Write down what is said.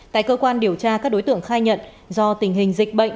tại cơ quan điều tra các đối tượng khai nhận do tình hình dịch bệnh